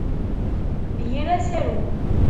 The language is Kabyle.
D yir asaru.